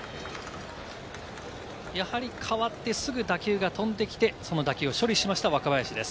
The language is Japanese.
やはり代わってすぐ打球が飛んできて、その打球を処理しました、若林です。